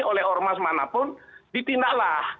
oleh ormas manapun ditindaklah